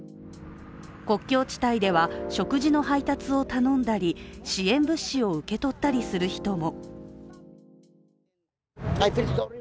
国境地帯では、食事の配達を頼んだり支援物資を受け取ったりする人も。